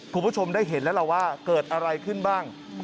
คุณผู้ชมได้เห็นแล้วล่ะว่าเกิดอะไรขึ้นบ้าง